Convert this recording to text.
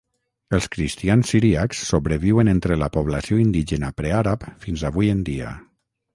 Els cristians siríacs sobreviuen entre la població indígena pre-àrab fins avui en dia.